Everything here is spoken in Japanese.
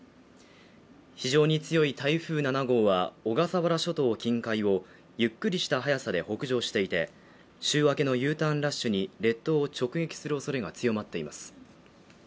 非常に強い台風７号は小笠原諸島近海をゆっくりした速さで北上していて週明けのＵターンラッシュに列島を直撃する恐れが強まっています